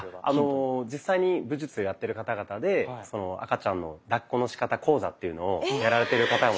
実際に武術をやってる方々で赤ちゃんのだっこのしかた講座というのをやられている方も。